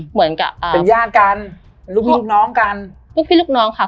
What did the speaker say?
เหมือนกับ